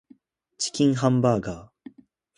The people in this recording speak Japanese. チキンハンバーガー